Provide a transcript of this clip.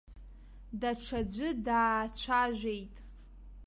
Даҽаӡәгьы даацәажәеит.